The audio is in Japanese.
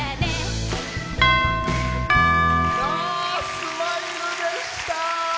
「スマイル」でした。